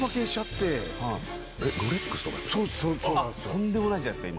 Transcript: とんでもないんじゃないですか？